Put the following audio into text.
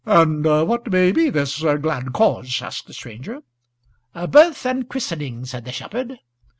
"And what may be this glad cause?" asked the stranger. "A birth and christening," said the shepherd.